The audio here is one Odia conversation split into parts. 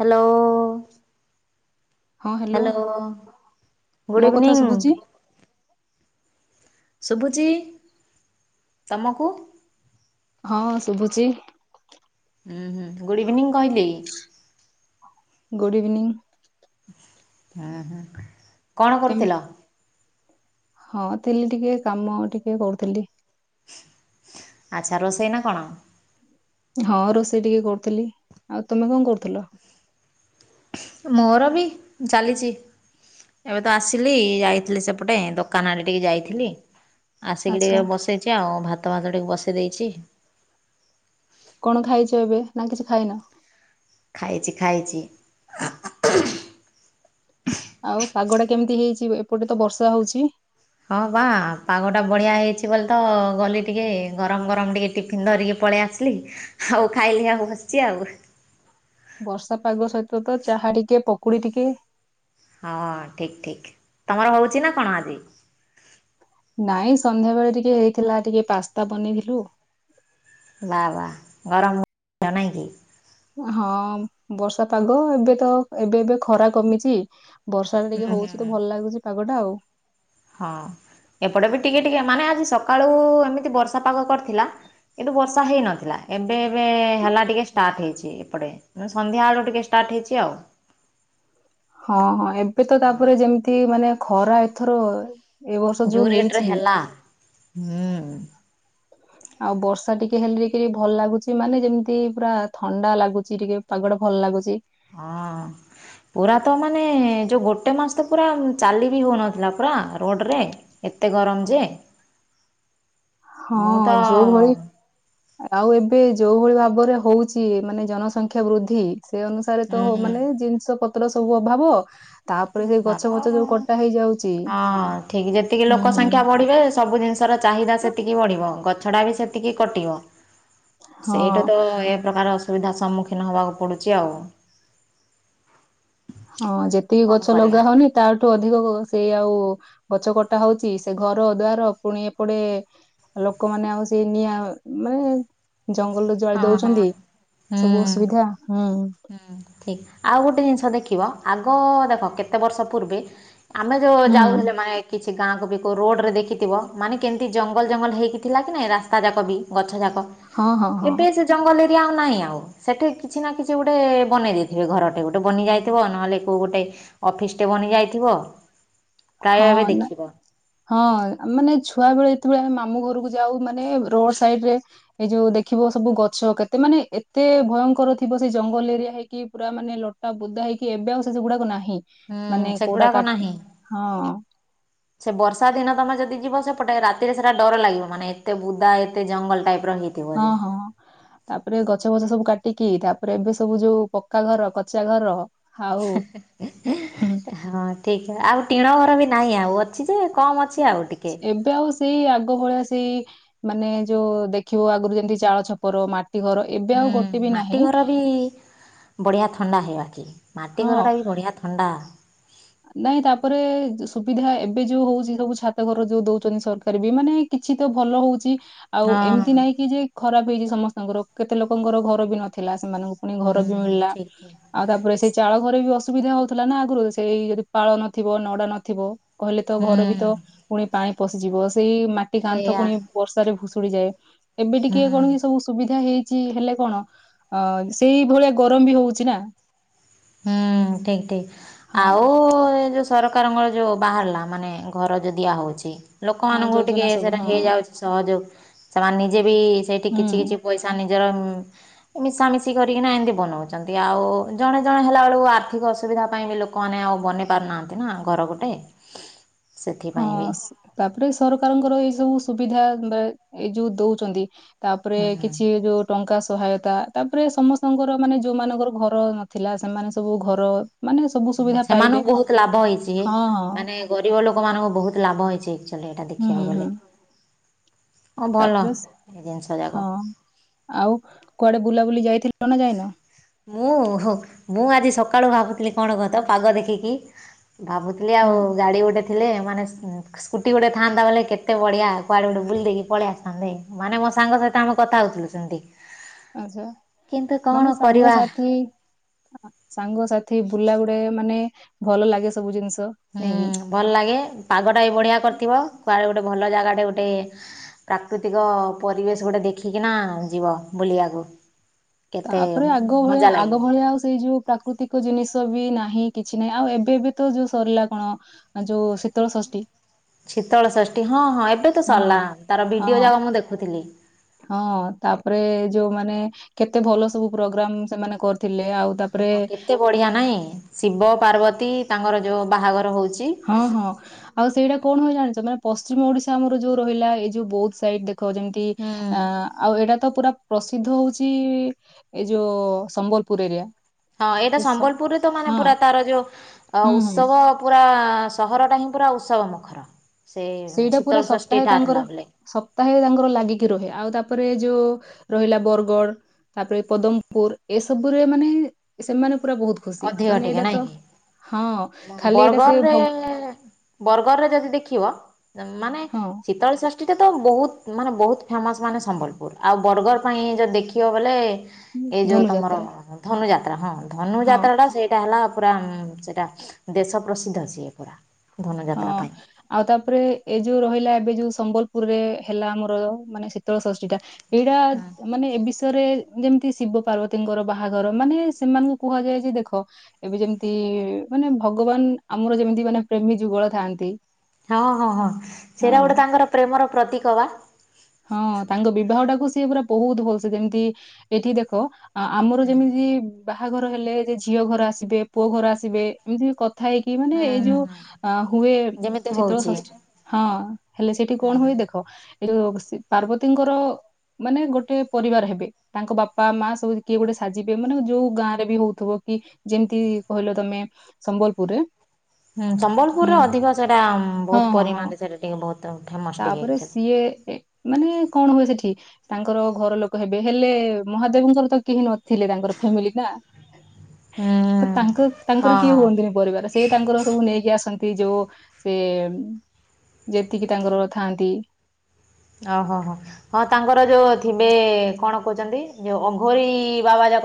ହ୍ୟାଲୋ ହଁ ହ୍ୟାଲୋ ଗୁଡ୍ ମୋ କଥା ଇଭିନିଂ ଶୁଭୁଛି ଶୁଭୁଛି ତମକୁ ହଁ ଶୁଭୁଛି ହୁଁ ହୁଁ ଗୁଡ଼୍ ଇଭିନିଂ କହିଲି ଗୁଡ଼ ଇଭିନିଂ ହୁଁ ହୁଁ କଣ କେମ କରୁଥିଲ ହଁ ଥିଲି ଟିକେ କାମ ଟିକେ କରୁଥିଲି। ଆଛା ରୋଷେଇ ନା କଣ। ହଁ ରୋଷେଇ ଟିକେ କରୁଥିଲି, ଆଉ ତୁମେ କଣ କରୁଥିଲ। ମୋର ବି ଚାଲିଛି। ଏବେ ତ ଆସିଲି, ଯାଇଥିଲି ସେପଟେ ଦୋକାନ ଆଡ଼େ ଟିକେ ଯାଇଥିଲି। ଆସିକି ଆଚ୍ଛା ଟିକେ ବସେଇଛି ଆଉ ଭାତ ଭାତ ଟିକେ ବସେଇ ଦେଇଛି। କଣ ଖାଇଛ ଏବେ ନା କିଛି ଖାଇନ। ଖାଇଛି ଖାଇଛି। ଆଉ ପାଗ ଟା କେମିତି ହେଇଛି ଏପଟେ ତ ବର୍ଷା ହଉଛି। ହଁ ବା ପାଗଟା ବଢ଼ିଆ ହେଇଛି ବୋଲି ତ, ବୋଲି ଟିକେ ଗରମ ଗରମ ଟିକେ ଟିଫିନ୍ ଧରିକି ପଳେଇ ଆସିଲି, ଆଉ ଖାଇଲି ଆଉ ବସିଛି ଆଉ। ବର୍ଷା ପାଗ ସହିତ ତ ଚାହା ଟିକେ ପକୁଡି ଟିକେ। ହଁ ଠିକ ଠିକ ତମର ହଉଛି ନା କଣ ଆଜି। ନାଇଁ ସନ୍ଧ୍ୟା ବେଳେ ଟିକେ ହେଇଥିଲା ଟିକେ ପାସ୍ତା ବନେଇଥିଲୁ। ବା ବା ଗରମ ନାଇଁ କି। ହଁ ବର୍ଷା ପାଗ ଏବେ ତ ଏବେ ଏବେ ଖରା କମିଛି। ବର୍ଷା ଟା ହୁଁ ଟିକେ ହୁଁ ହଉଛି ତ ହୁଁ। ଭଲ ଲାଗୁଛି ପାଗଟା ଆଉ। ହଁ ଏପଟେ ବି ଟିକେ ଟିକେ ମାନେ ଆଜି ସକାଳୁ ଏମିତି ବର୍ଷା ପାଗ କରିଥିଲା। କିନ୍ତୁ ବର୍ଷା ହେଇନଥିଲା, ଏବେ ଏବେ ହେଲା ଟିକେ ଷ୍ଟାର୍ଟ ହେଇଛି ଏପଟେ। ସନ୍ଧ୍ୟା ବେଳ ଟିକେ ଷ୍ଟାର୍ଟ ହେଇଛି ଆଉ। [inaudible] ହଁ ହଁ ଏବେ ତ ହଁ। ତାପରେ ଯେମିତି ମାନେ ଖରା ଏଥର ଏ ବର୍ଷ ଯୋଉ ରେଟରେ ହେଇଛି। ହେଲା ହୁଁ ଆଉ ବର୍ଷା ଟିକେ ହେଲେ ଟିକେ ଭଲ ଲାଗୁଛି ମାନେ, ଯେମିତି ପୁରା ଥଣ୍ଡା ଲାଗୁଛି ଟିକେ। ପାଗଟେ ଭଲ ଲାଗୁଛି। ହଁ ପୁରା ତ ମାନେ ଯୋଉ ଗୋଟେ ମାସ ତ ପୁରା ଚାଲି ବି ହେଉନଥିଲା ପୁରା ରୋଡ଼ରେ। ଏତେ ଗରମ ଯେ। ମୁଁ ତ ହଁ ଯୋଉ ଭଳି ଆଉ ଏବେ ଯୋଉ ଭଳି ଭାବରେ ହଉଛି, ମାନେ ଜନସଂଖ୍ୟା ବୃଦ୍ଧି ସେ ଅନୁସ ଷାରେ ତ ହଉ ହୁଁ। ମାନେ ଜିନିଷ ପତ୍ର ସବୁ ଅଭାବ। ତାପରେ ସେ ଗଛ ଅଭାବ ଫଛ ଯୋଉ କଟା ହେଇଯାଉଛି ହଁ ଠିକ ଯେତିକି ହୁଁ ଲୋକ ହୁଁ। ସଂଖ୍ୟା ବଢିବେ ସବୁ ଜିନିଷ ର ଚାହିଦା ସେତିକି ବଢିବ ଗଛ ଟା ବି ସେତିକି କଟିବ। ହଁ ସେଇଠୁ ତ ପ୍ରକାର ଅସୁବିଧା ସମ୍ମୁଖୀନ ହେବାକୁ ପଡ଼ୁଛି ଆଉ। ହଁ ଯେତିକି କଣ ଗଛ କରିବା। ଲଗା ହଉନି ତାଠୁ ଅଧିକ ସେଇ ଆଉ ଗଛ କଟା ହଉଛି। ସେ ଘର ଦ୍ୱାର ପୁଣି ଏପଟେ ଲୋକମାନେ ଆଉ ସେଇ ନିଆଁ ମାନେ ଜଙ୍ଗଲ ଜାଳି ହଁ ହଁ। ଦଉଛନ୍ତି ହୁଁ ସବୁ ଅସୁବିଧା ହୁଁ। ହୁଁ ଠିକ୍ ଆଉ ଗୋଟେ ଜିନିଷ ଦେଖିବ ଆଗ ଦେଖ କେତେ ବର୍ଷ ପୂର୍ବେ? ଆମେ ଯୋଉ ହୁଁ ଯାଉଥିଲେ ମାନେ କିଛି ଗାଁକୁ ବି କୋଉ ରୋଡ଼ରେ ଦେଖିଥିବ ମାନେ, କେମିତି ଜଙ୍ଗଲ ଜଙ୍ଗଲ ହେଇକି ଥିଲା କି ନାହିଁ ରାସ୍ତା ଯାକ ବି ଗଛଯାକ। ହଁ ହଁ ହଁ ଏବେ ସେ ଜଙ୍ଗଲ ଏରିଆ ଆଉ ନାହିଁ ଆଉ। ସେଠି କିଛି ନା କିଛି ଗୋଟେ ବନେଇ ଦେଇଥିବେ ଘରଟେ ଗୋଟେ ବନିଯାଇଥିବ ନହେଲେ କୋଉ ଗୋଟେ ଅଫିସ୍ ଟେ ବନିଯାଇଥିବ। ହଁ ନା। ହଁ ମାନେ ଛୁଆ ବେଳେ ଯେତେବେଳେ ଆମେ ମାମୁ ଘରକୁ ଯାଉ, ମାନେ ରୋଡ ସାଇଡରେ ଏଇ ଯୋଉ ଦେଖିବ ସବୁ ଗଛ କେତେ ମାନେ ଏତେ ଭୟଙ୍କର ଥିବ। ସେ ଜଙ୍ଗଲ ଏରିଆ ହେଇକି ପୁରା ମାନେ ଲ ତା ବୁଦାହେଇକି ଏବେ ଆଉ ସେ ସେଗୁଡାକୁ ନାହିଁ। ହୁଁ ମାନେ କୋଉଟା ସେଗୁଡାକ କାଟି ନାହିଁ। ହଁ। ସେ ବର୍ଷା ଦିନ ତମେ ଯଦି ଯିବ, ସେପଟେ ରାତିରେ ସେଟା ଡର ଲାଗିବ ମାନେ ଏତେ ବୁଦା ଏତେ ଜଙ୍ଗଲ ଟାଇପର ହେଇଚି। ହଁ ହଁ। ତାପରେ ଗଛ ବଛ ସବୁ କାଟିକି ତାପରେ ଏବେ ସବୁ ଯୋଉ ପକ୍କା ଘର କଚା ଘର। ଆଉ ହୁଁ ହଁ ଠିକ ଆଉ ଟିଣ ଘର ବି ନାହିଁ ଆଉ। ଅଛି ଯେ କମ୍ ଅଛି ଆଉ ଟିକେ। ଏବେ ଆଉ ସେଇ ଆଗ ଭଳିଆ ସେଇ ମାନେ ଯୋଉ ଦେଖିବ ଆଗରୁ ଯେମିତି ଚାଳ ଛପର ମାଟି ଘର। ଏବେ ଆଉ ହୁଁ ଗୋଟେ ବି ମାଟି ନାହିଁ ଘର ବି ବଢ଼ିଆ ଥଣ୍ଡା ହେବା ମାଟି ହଁ ଘରଟା ବି ବଢ଼ିଆ ଥଣ୍ଡା। ନାଇଁ ତାପରେ ସୁବିଧା ଏବେ ଯୋଉ ହଉଛି ସବୁ ଛାତ ଘର ଦଉଛନ୍ତି ସରକାର ବି ମାନେ କିଛି ତ ଭଲ ହଉଚି। ଆଉ ହଁ ଏମିତି ନାହିଁ କି ଯେ ଖରାପ ହେଇଛି ସମସ୍ତଙ୍କର କେତେ ଲୋକଙ୍କର ଘର ବି ନଥିଲା ସେମାନଙ୍କ ପୁଣି ଘର ହୁଁ ବି ମିଳିଲା ଠିକ ଠିକ ଆଉ ତାପରେ ସେଇ ଚାଳ ଘରେ ବି ଅସୁବିଧା ହଉଥିଲା ନା ଆଗରୁ ସେଇ ପାଳ ନଥିବ ନଡା ନଥିବ କହିଲେ ତ ଘରେ ବି ତ ହୁଁ। ପୁଣି ପାଣି ପଶିଯିବ ସେଇ ମାଟି କାନ୍ଥ ସେଇଆ ପୁଣି ବର୍ଷାରେ ଭୁଷୁଡିଯାଏ। ଏବେ ହୁଁ ଟିକେ କଣ କି ସବୁ ସୁବିଧା ହେଇ ଚି ହେଲେ କଣ ଅ ସେଇ ଭଳିଆ ଗରମ ବି ହଉଛି ନା? ହୁଁ ଠିକ୍ ଠିକ୍ ହଁ ଆଉ ସରକାରଙ୍କର ଯେଉଁ ବାହାରିଲା ମାନେ ଘର ଦିଆହେଉଛି। ହଁ ଲୋକମାନଙ୍କୁ ଟିକେ ଯୋଜନା ସବୁ ସେଇଟା ହଁ ହେଇଯାଉଛି ସହଯୋଗ ସେମାନେ ନିଜେ ବି ସେଇଠି କିଛି ହୁଁ କିଛି ପଇସା ତା ନିଜର ମିଶାମିଶି କରିକିନା ଏମତି ବନାଉଛନ୍ତି ଆଉ ଜଣେ ତା ହେଲା ବେଳକୁ ଆର୍ଥିକ ଅସୁବିଧା ପାଇଁ ଲୋକମାନେ ଆଉ ବନେଇ ପାରୁନାହାନ୍ତି ନା ଘର ଗୋଟେ? ହଁ ସେଥିପାଇଁ ବି ତାପରେ ସରକାରଙ୍କର ଏଇ ସବୁ ସୁବିଧା ଏଵେ ଏଇ ଯୋଉ ଦଉଛନ୍ତି। ତାପରେ ହୁଁ କିଛି ଯୋ ଟଙ୍କା ସହାୟତା ତାପରେ ସମସ୍ତଙ୍କର ମାନେ ଯୋଉମାନଙ୍କର ଘର ନଥିଲା ସେମାନେ ସବୁ ଘର ମାନେ ସବୁ ସୁବିଧା ପାଇଲେ ସେମାନଙ୍କୁ ବହୁତ ଲାଭ ହେଇଛି ହଁ ହଁ ମାନେ ଗରିବ ଲୋକମାନଙ୍କୁ ବହୁତ ଲାଭ ହେଇଛି ଆକ୍ଚୁଆଲି ଏଇଟା ହୁଁ ହୁଁ ଦେଖିବାକୁ ହୁଁ ଗଲେ। ହଁ ଭଲ ତାପରେ ସ- ଏ ଜିନିଷ ଯାକ। ହଁ ଆଉ କୁଆଡେ ବୁଲାବୁଲି ଯାଇଥିଲ ନା ଯାଇନ? ମୁଁ ହଉ ମୁଁ ଆଜି ସକାଳୁ ଭାବୁଥିଲି କଣ କହ ତ ପାଗ ଦେଖିକି ଭାବୁ ସେ ହୁଁ ଆଉ ଗାଡ଼ି ଗୋଟେ ଥିଲେ ମାନେ ସେ ସ୍କୁଟି ଗୋଟେ ଥାନ୍ତା ବୋଲେ କେତେ ବଢିଆ କୁଆଡେ ବୁଲି ଦେଇକି ପଳେଇ ଆସିଥାନ୍ତେ ମାନେ ମୋ ସାଙ୍ଗ ସାଥି ଆମ କଥା ହଉଥିଲୁ ସେମିତି। ଆଛା କିନ୍ତୁ କ'ଣ ମାନେ କରିବା ସାଙ୍ଗସାଥି ସାଙ୍ଗସାଥି ବୁଲା ଗୁଡେ ମାନେ ଭଲ ଲାଗେ ସବୁ ଜିନିଷ। ନାଇଁକି ହୁଁ ଭଲ ଲାଗେ ପାଗଟା ଏ ଭଳିଆ କରିଥିବ କୁଆଡେ ଗୋଟେ ଭଲ ଜାଗାଟେ ଗୋଟେ ପ୍ରାକୁତିକ ପରିବେଶ ଗୋଟେ ଦେଖିକି ନା ଯିବ ବୁଲିବାକୁ। କେତେ ତାପରେ ଆଗ ଭଳିଆ ମଜା ଲାଗିବ ଆଗ ଭଳିଆ ଆଉ ସେଇ ଯୋଉ ପ୍ରାକୃତିକ ଜିନିଷ ବି ନାହିଁ କିଛି ନାହିଁ ଆଉ ଏବେ ବି ତ ଯୋଉ ସରିଲା କଣ ଆ ଯୋଉ ଶୀତଳ ଷଷ୍ଠୀ ଶୀତଳଷଷ୍ଠୀ ହଁ ହଁ ଏବେ ତ ହଁ ସରିଲା ତାର ଭିଡିଓ ହଁ ଯାକ ମୁଁ ଦେଖୁଥିଲି ହଁ ତାପରେ ଯୋଉମାନେ କେତେ ଭଲ ସବୁ ପ୍ରୋଗ୍ରାମ ସେମାନେ କରିଥିଲେ ଆଉ ତାପରେ ହଁ କେତେ ବଢିଆ ନାଇଁ ଶିବ ପାର୍ବତୀ ତାଙ୍କର ଯୋଉ ବାହାଘର ହଉଚି ହଁ ହଁ। ଆଉ ସେଇଟା କୋଡେ ହୁଏ ଜାଣିଛ ତମେ ପଶ୍ଚିମ ଓଡ଼ିଶା ଆମର ଯୋଉ ରହିଲା ଏଇ ଯଉ ବୋଥ ସାଇଡ ଦେଖ ଯେମିତି ଟି ହୁଁ ଆଁ ଆଉ ଏଇଟା ତ ପୁରା ପ୍ରସିଦ୍ଧ ହଉଛି ଏଇ ଯୋଉ ସମ୍ବଲପୁର ଏରିଆ। ହଁ ଏଇଟା ସେ ସ ସମ୍ବଲପୁରରେ ତ ମାନେ ହଁ ପୁରା ତାର ଯୋଉ ଅ ହୁଁ ହୁଁ ଉତ୍ସବ ପୁରା ସହର ଟା ହିଁ ପୁରା ଉତ୍ସବ ମୁଖର ସେ ସେଇଟା ପୁରା ସପ୍ତାହେ ଶୀତଳଷଷ୍ଠୀ ଟା ତାଙ୍କର ଥିଲା ବେଲେ ସପ୍ତାହେ ତାଙ୍କର ଲାଗିକି ରହେ ଆଉ ତାପରେ ଯୋଉ ରହିଲା ବରଗଡ଼ ତାପରେ ପଦମପୁର ଏସବୁରେ ମାନେ ସେମାନେ ପୁରା ବହୁତ୍ ଅଧିକ ଟିକେ ନାଇଁ ଖାଲି ଏଇଟା ସେ ବରଗଡ଼ ରେ ଭ ବରଗଡ଼ ରରେ ଯଦି ଦେଖିବ ମାନେ ହଁ ଶୀତଳ ଷ ସେଇଟା ତ ବହୁତ ମାନେ ବହୁତ ଫେମସ୍ ମାନେ ସମ୍ବଲପୁର ଆଉ ବରଗଡ଼ ପାଇଁ ଯଦି ଦେଖିବ ବୋଲେ ଏଇ ଯୋଉ ତମର ଧନୁଯାତ୍ରା ଧନୁ ଯାତ୍ରା ହଁ ଧନୁ ହଁ ଯାତ୍ରା ଟା ସେଇ ଟା ହେଲା ପୁରା ସେଟା ଦେଶ ପ୍ରସିଦ୍ଧ ସିଏ ପୁରା। ହଁ। ଧନୁଯାତ୍ରା ପାଇଁ। ଆଉ ତାପରେ ଏ ଯୋଉ ରହିଲା ଏବେ ଯୋଉ ସମ୍ବଲପୁରରେ ହେଲା ଆମର ମାନେ ଶୀତଳ ଷଷ୍ଠୀ ଟା ଏଇଟା ମାନେ ଏ ବିଶ୍ ୟରେ ଯେମିତି ଶିବ ପାର୍ବତୀଙ୍କର ବାହାଘର ମାନେ ସେମାନଙ୍କୁ କୁହାଯାଏ ଯେ ଦେଖ ଏବେ ଯେମିତି ମାନେ ଭଗବାନ ଆମର ଯେମିତି ମାନେ ପ୍ରେମୀ ଯୁଗଳ ଥାନ୍ତି। ହଁ ହଁ ହଁ ସେରା ଗୋଟେ ତାଙ୍କର ପ୍ରେମର ପ୍ରତୀକ ବା। ହଁ ତାଙ୍କ ବିବାହ ଟାକୁ ସିଏ ପୁରା ବହୁତ ଭଲ ସେ ଯେମିତି ଏଠି ଦେଖ ଆମର ଯେମିତି ବାହାଘର ହେଲେ ଯେ ଝିଅ ଘର ଆସିବେ ପୁଅ ଘର ଆସିବେ ଏମିତି କଥା ହେଇ କି ମାନେ ହୁଁ ଏଇ ହୁଁ ଯୋଉ ହୁଁ। ଅ ହୁଏ ଯେମିତି ଶୀତଳ ହଉଛି ଷଷ୍ଠୀ ହଁ ହେଲେ ସେଇଠି ହୁଁ କଣ ହୁଁ। ହୁଏ ଦେଖ ଏଇ ଯୋଉ ପାର୍ବତୀଙ୍କର ମାନେ ଗୋଟେ ପରିବାର ହେବେ। ତାଙ୍କ ବାପା ମା ସବୁ କିଏ ଗୋଟେ ସାଜିବେ ମାନେ ଯୋଉ ଗାଁରେ ବି ହଉଥିବ କି ଯେମିତି କହିଲ ତମେ ସମ୍ବଲପୁରରେ ହୁଁ ସମ୍ବଲପୁରରେ ହୁଁ ଅଧିକ ସେଇଟା ହଁ ବହୁତ ହଁ ହଁ ପରିମାଣରେ ସେଇଟା ଟିକେ ବହୁତ ଫେମସ୍ ଟିକେ ଆକ୍ଚୁଆଲି। ଇଏ ଏ ମାନେ କଣ ହୁଏ ସେଠି ତାଙ୍କର ଘର ଲୋକ ହେବେ ହେଲେ ମହାଦେବଙ୍କର ତ କେହି ନଥିଲେ ତାଙ୍କର ଫ୍ୟାମିଲି ନା ହୁଁ ତ ତାଙ୍କ ତାଙ୍କର ହଁ କିଏ ହଁ ହୁଅନ୍ତିନି ପରିବାର। ସେ ତାଙ୍କର ସବୁ ନେଇକି ଆସନ୍ତି ଯୋଉ ସେ ଯେତିକି ତାଙ୍କର ଥାଆନ୍ତି ଓହୋ ହୋ ହଁ ତାଙ୍କର ଯୋଉ ଥିବେ କଣ କହୁଛନ୍ତି ଯୋଉ ଅଘରିୀ ବାବା ଯା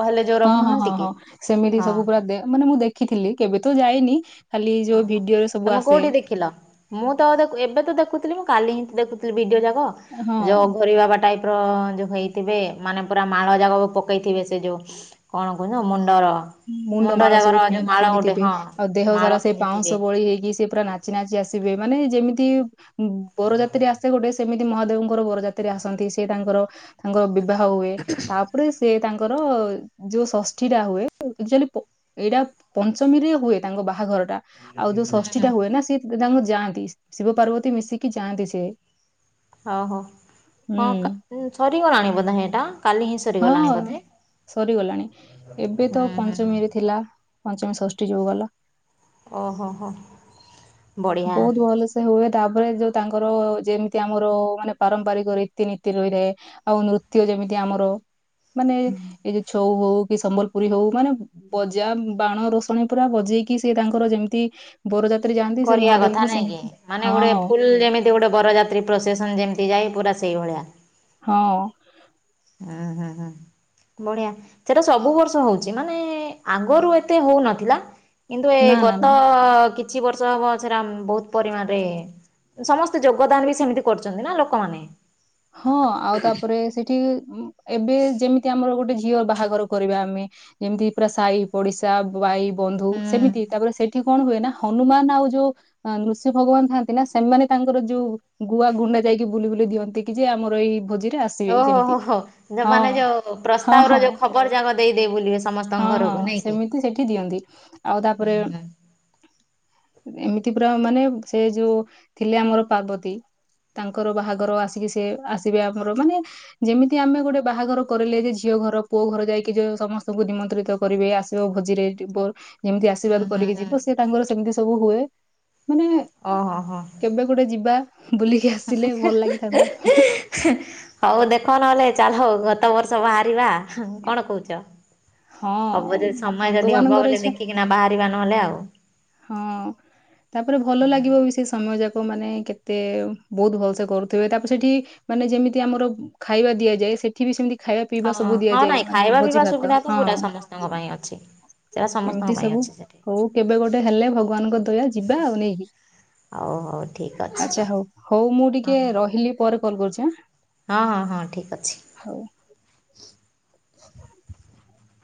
ହଁ ହଁ ହଁ ହଁ ସେମିତି ସବୁ ପୁରା ଦେ ମାନେ ମୁଁ ଦେଖିଥିଲି କେବେ ତ ଯାଇନି। ଖାଲି ଯଉ ହଁ ହଁ ଭିଡିଓ ରେ ସବୁ ତମେ ଆସେ କୋଉଠି ଦେଖିଲ। ମୁଁ ତ ତ ଏବେ ତ ଦେଖୁଥିଲି ମୁଁ କାଲି ହିଁ ଦେଖୁଥିଲି ଭିଡିଓ ଯାକ ହଁ ଯୋଉ ଅଘରି ବାବା ଟାଇପ ପ୍ର ଯୋଉ ହେଇଥିବେ ମାନେ ପୁରା ମାଳ ଯାଗକୁ ପକେଇଥିବେ ସେ ଯେଉ କଣ କୁହନ୍ତି ତାକୁ ମନ୍ଦାର। ହୁଁ ମୁଣ୍ଡମାଳ ସବୁ ପିନ୍ଦ୍ ପିନ୍ଧିଥିବେ ଆଉ ଦେହ ମାଳ ସାରା ସେ ପିନ୍ଧିଥିବେ ପାଉଁଶ ବୋଳି ହେଇକି ସିଏ ପୁରା ନାଚି ନାଚି ଆସିବେ ମାନେ ଯେମିତି ଉଁ ବରଯାତ୍ରି ଆସେ ଗୋଟେ ସେମିତି ମହାଦେବଙ୍କର ବରଯାତ୍ରୀ ଆସନ୍ତି ସିଏ ତାଙ୍କର ତାଙ୍କର ବିବାହ ହୁଏ ତା ପରେ ସିଏ ତାଙ୍କର ଯୋଉ ଷଷ୍ଠୀଟା ହୁଏ ଉ ଆକ୍ଚୁଏଲି ପ ଏଇଟା ପଞ୍ଚମୀରେ ହୁଏ ତାଙ୍କ ବାହାଘରଟା ଆଉ ଯୋଉ ହୁଁ ହୁଁ ଷଷ୍ଠୀଟା ହୁଏ ନା ସିଏ ଏବେ ତାଙ୍କୁ ଯାଆନ୍ତି ଶିବ ପାର୍ବତୀ ମିଶିକି ଯାଆନ୍ତି ସିଏ। ହଉ ହଉ ହଁ କା ଉଁ ସରିଗଲାଣ ବୋଧେ ହେଇଟାଁ କାଲି ହିଁ ସ ହଁ ସରିଗଲାଣି ଏବେ ହୁଁ ତ ହୁଁ ହୁଁ ପଞ୍ଚମୀରେ ଥିଲା। ପଞ୍ଚମୀ ଷଷ୍ଠୀ ଯୋଉ ଗଲା। ଓହୋ ହୋ। ବଢ଼ିଆ ବୋହୁତ ଭଲ ସ୍ ସେ ହୁଏ ତାପରେ ଯୋଉ ତାଙ୍କର ଯେମିତି ଆମର ମାନେ ପାରମ୍ପରିକ ରୀତିନୀତି ରହିଥାଏ ଆଉ ନୃତ୍ୟ ଯେମିତି ଆମର ମାନେ ଏଇ ଯୋଉ ଛଉ ହଉ କି ସମ୍ବଲପୁରୀ ହଉ ମାନେ ବଜା ଉଁ ଉଁ ବାଣ ରୋଷଣୀ ପୁରା ବଜେଇକି ସିଏ ତାଙ୍କର ଯେମତି ବରଯାତ୍ରୀ ଯାଆ କରିଆ କଥା ନାଇଁ କି ମାନେ ଗୋଟେ ଫୁଲ୍ ଯେମି ତି ଗୋଟେ ବରଯାତ୍ରୀ ପ୍ରଶେସନ୍ ଯେମତି ଯାଏ ପୁରା ସେଇ ଭଳିଆ। ହଁ। ହୁଁ ହୁଁ ହୁଁ ହୁଁ। ବଢିଆ ସେଟା ସବୁ ବର୍ଷ ହଉଚି ମାନେ ଆଗରୁ ଏତେ ହଉନଥିଲା। କିନ୍ତୁ ଏ ନା ନା ନା ଗତ କିଛି ବର୍ଷ ହବ ସେରା ଉଁ ବୋହୁତ ପରିମାଣରେ ଉଁ ସମସ୍ତେ ଯୋଗଦାନ ବି ସେମିତି କରୁଛନ୍ତି ନା ଲୋକମାନେ। ହଁ ଆଉ ତାପରେ ସେଠି ଉଁ ଏବେ ଯେମିତି ଆମର ଗୋଟେ ଝିଅ ବାହାଘର କରିବା ଆମେ ଯେମତି ପୁରା ସାଇ ପଡିଶା ବ ଭାଇ ବନ୍ଧୁ ସେମିତି ହୁଁ ତାପରେ ସେଠି କଣ ହୁଏ ନା ହନୁମାନ ଆଉ ଯୋଉ ଆଁ ନୃସିିଂହ ଭଗବାନ ଥାଆନ୍ତି ନା ସେମାନେ ତାଙ୍କର ଯୋଉ ଗୁଆ ଗୁଣ୍ଡା ଯାଇକି ବୁଲି ବୁଲି ଦିଅନ୍ତି। କି ଯେ ଆମର ଏଇ ଭୋଜିରେ ଆସିବେ ଓହୋ ହୋ ଯେମତି। ହୋ ଯୋଉ ମାନେ ଯୋଉ ପ୍ରସ୍ତାବର ଯୋଉ ଖବର ଯାକ ଦେଇ ଦେଇ ବୁଲିବେ ସମସ୍ତଙ୍କ ଘରକୁ ନାଇଁ କିି। କୁ ସେଠି ଦିଅନ୍ତି ଆଉ ତାପରେ ଉଁ ଏମିତି ପୁରା ମାନେ ସେ ଯୋଉ ଥିଲେ ଆମର ପାର୍ବତୀ ତାଙ୍କର ବାହାଘର ଆସିକି ସିଏ ଆସିବେ ଆମର ମାନେ ଯେମିତି ଆମେ ଗୋଟେ ବାହାଘର କରିଲେ ଯେ ଝିଅ ଘର ପୁଅ ଘର ଯାଇକି ଯୋଉ ସମସ୍ତୁଙ୍କୁ ନିମନ୍ତ୍ରିତ କରିବେ ଆସିବ ଭୋଜିରେ [unintelligible] ଯେମିତି ଆଶୀର୍ବାଦ ହୁଁ ହୁଁ କରିକି ହୁଁ ଯିବ ସିଏ ତାଙ୍କର ସେମତି ସବୁ ହୁଏ ମାନେ ଓହୋ ହୋ କେବେ ଗୋଟେ ଯିବା ବୁଲିକି ଆସିଲେ ଭଲ ଲାଗିଥାନ୍ତା। ହିଁ ହେଁ ହଉ ଦେଖ ନହେଲେ ଚାଲ ହଉ ଗତ ବର୍ଷ ଭାରିବା ହୁଁ କଣ କହୁଚ। ହବ ହଁ ଯଦି ସମୟ ଯଦି ହବ ଭଗବାନଙ୍କର ବୋଲେ ଇଚ୍ଛା ଦେଖିକିନା ବାହାରିବା ନହେଲେ ଆଉ। ହଁ। ତାପରେ ଭଲ ହୁଁ ଲାଗିବ ବି ସେ ସମୟ ଯାକ ମାନେ କେତେ ବୋହୁତୁ ଭଲ ସେ କରୁଥିବେ ତାପରେ ସେଠି ମାନେ ଯେମିତି ଆମର ଖାଇବା ଦିଆଯାଏ ସେ ଠି ବି ସେମତି ଖାଇବା ପିଇବା ହଁ ସବୁ ହଁ ଦିଆଯାଏ ନାଇଁ ମାନେ ଖାଇବା ଭୋଜି ପିଇବା ଭାତ ସୁବିଧା ତ ହଁ। ପୁରା ସମସ୍ତଙ୍କ ପାଇଁ ଅଛି। ସେଟା ସମସ୍ତଙ୍କ ଏମତି ପାଇଁ ସବୁ ଅଛି ସେଠି ହଉ କେବେ ଗୋଟେ ହେଲେ ଭଗବାନଙ୍କ ଦୟା ଯିବା ଆଉ ନାଇ କି। ହଉ ହଉ ଠିକ୍ ଅଛି। ଆଛା ହଉ ହଉ ମୁଁ ହଁ ଟିକେ ରହିଲି ପରେ କଲ୍ କରୁଛି ଆଁ। ହଁ ହଁ ହଁ ଠିକ୍ ଅଛି। ହଉ [unintelligible]